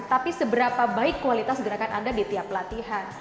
tapi seberapa baik kualitas gerakan anda di tiap latihan